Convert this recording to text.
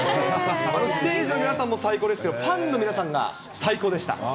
ステージの皆さんも最高ですけど、ファンの皆さんが最高でした。